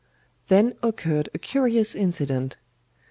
Then occurred a curious incident.